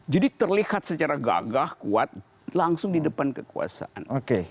jadi terlihat secara gagah kuat langsung di depan kekuasaan